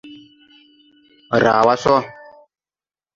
Raa wa sɔ.